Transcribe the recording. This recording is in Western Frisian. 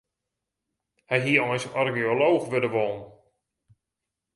Hy hie eins archeolooch wurde wollen.